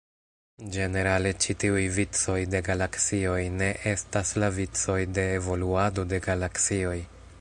Ĝenerale ĉi tiuj vicoj de galaksioj "ne" estas la vicoj de evoluado de galaksioj.